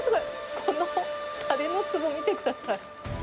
このたれのつぼ、見てください。